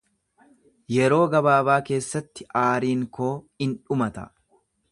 Yeroo gabaabaa keessatti aariin koo in dhumata.